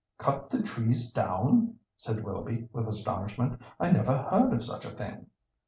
"Cut the trees down!" said Willoughby, with astonishment. "I never heard of such a thing!"